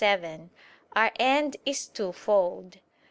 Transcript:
7), our end is twofold.